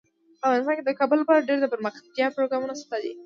افغانستان کې د کابل لپاره ډیر دپرمختیا پروګرامونه شته دي.